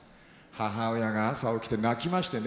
母親が朝起きて泣きましてね。